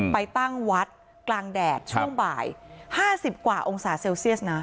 ไปตั้งวัดกลางแดดช่วงบ่าย๕๐กว่าองศาเซลเซียสนะ